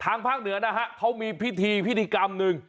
ภาคเหนือนะฮะเขามีพิธีพิธีกรรมหนึ่ง